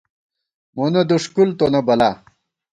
مونہ دُݭکُل تونہ بلا